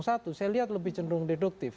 ada di satu saya lihat lebih cenderung deduktif